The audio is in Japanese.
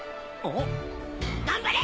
頑張れ！